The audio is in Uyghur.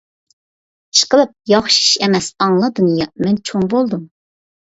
ئىشقىلىپ ياخشى ئىش ئەمەس ئاڭلا دۇنيا، مەن چوڭ بولدۇم!